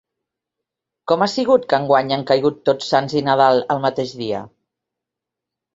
Com ha sigut que enguany han caigut Tots Sants i Nadal al mateix dia?